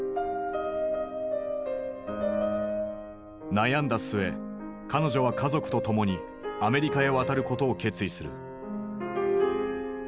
悩んだ末彼女は家族と共にアメリカへ渡ることを決意する。